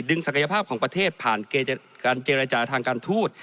ศักยภาพของประเทศผ่านการเจรจาทางการทูต